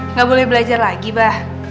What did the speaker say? nggak boleh belajar lagi bah